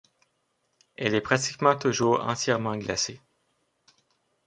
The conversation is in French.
Elle est pratiquement toujours entièrement glacée.